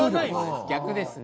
逆ですね。